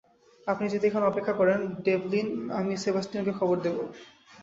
আপনি যদি এখানে অপেক্ষা করেন, ডেভলিন, আমি সেবাস্টিয়ানকে খবর দেব।